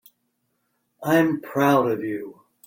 I'm proud of you.